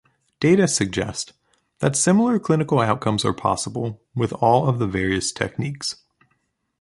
Data suggest that similar clinical outcomes are possible with all of the various techniques.